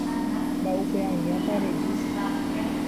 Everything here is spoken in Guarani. Mba'upe añápa reju